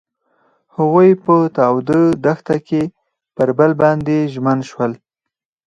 هغوی په تاوده دښته کې پر بل باندې ژمن شول.